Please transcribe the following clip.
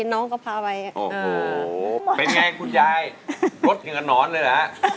เป็นอย่างไรคุณยายรวตเพียงเอาน้อนเลยหรือ